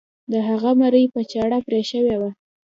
د هغه مرۍ په چاړه پرې شوې وه.